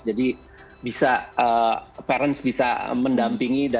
jadi bisa parents bisa mendampingi